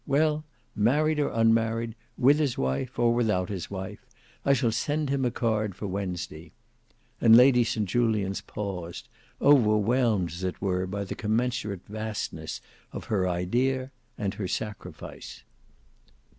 Well, married or unmarried, with his wife, or without his wife,—I shall send him a card for Wednesday." And Lady St Julians paused, overwhelmed as it were by the commensurate vastness of her idea and her sacrifice.